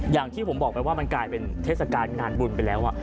อย่างที่ผมบอกไปว่ามันกลายเป็นเทศกาลงานบุญไปแล้ว